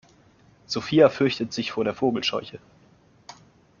Sophia fürchtet sich vor der Vogelscheuche.